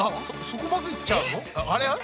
そこまずいっちゃうの？